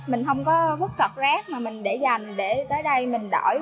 mình không có bức sọc rác mà mình để dành để tới đây mình đổi